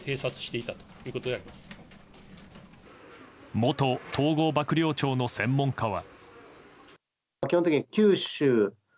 元統合幕僚長の専門家は。